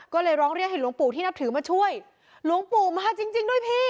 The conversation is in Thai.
ก็เลยร้องเรียกให้หลวงปู่ที่นับถือมาช่วยหลวงปู่มาจริงจริงด้วยพี่